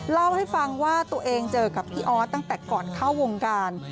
เล่าให้ฟังว่าตัวเองเจอกับพี่ออสตั้งแต่ก่อนเข้าวงการ